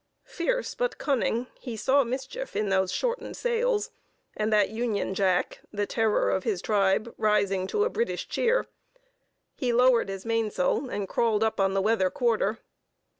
Fierce, but cunning, he saw mischief in those shortened sails, and that Union Jack, the terror of his tribe, rising to a British cheer; he lowered his mainsail, and crawled up on the weather quarter.